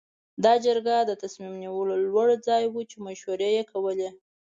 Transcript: دا جرګه د تصمیم نیولو لوړ ځای و چې مشورې یې کولې.